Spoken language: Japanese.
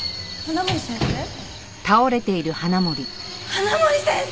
花森先生！